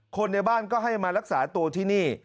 คนในบ้านก็ให้มารักษาตัวที่นี่